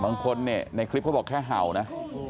บังคลในคลิปเขาถูกบอกแค่เห่านะ